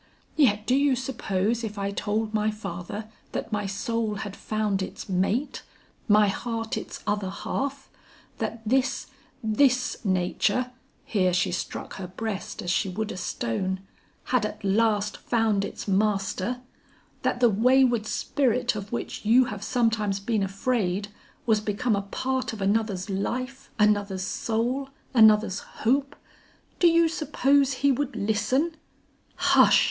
Yet do you suppose if I told my father that my soul had found its mate; my heart its other half; that this, this nature,' here she struck her breast as she would a stone, 'had at last found its master; that the wayward spirit of which you have sometimes been afraid, was become a part of another's life, another's soul, another's hope, do you suppose he would listen? Hush!'